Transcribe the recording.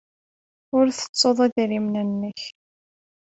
Ur tettuḍ idrimen-nnek.